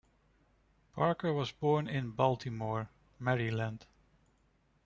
Parker was born in Baltimore, Maryland.